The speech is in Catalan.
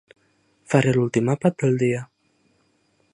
Faré l'últim àpat del dia.